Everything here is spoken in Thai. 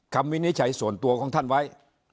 วินิจฉัยส่วนตัวของท่านไว้